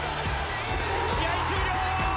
試合終了！